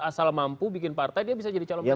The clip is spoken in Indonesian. asal mampu bikin partai dia bisa jadi calon presiden